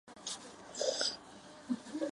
林翰生于清朝光绪四年。